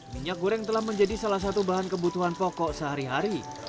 minyak goreng telah menjadi salah satu bahan kebutuhan pokok sehari hari